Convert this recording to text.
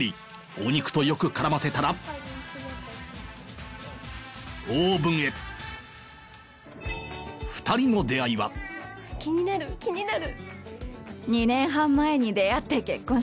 お肉とよく絡ませたらオーブンへ２人の気になる気になる。